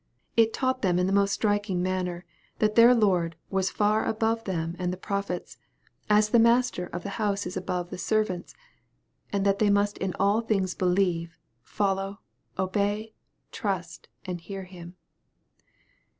It taught them in the most striking manner, that their Lord was far above them and the prophets, 8* 178 EXPOSITOKY THOUGHTS. as the master of the house is above the servants, and that they must in all things believe, follow, obey, trust, and hear Him.